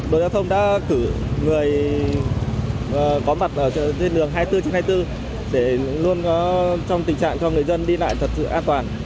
đội giao thông đã cử người có mặt ở trên đường hai mươi bốn trên hai mươi bốn để luôn có trong tình trạng cho người dân đi lại thật sự an toàn